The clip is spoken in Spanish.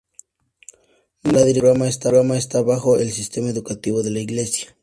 La dirección del programa está bajo el Sistema Educativo de la Iglesia.